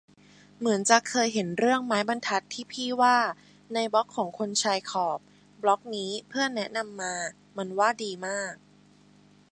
เหมือนจะเคยเห็นเรื่องไม้บรรทัดที่พี่ว่า ในบล็อกของคนชายขอบ บล็อกนี้เพื่อนแนะนำมา มันว่าดีมาก